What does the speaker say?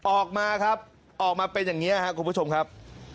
ออกมาครับออกมาเป็นอย่างนี้ครับคุณผู้ชมครับ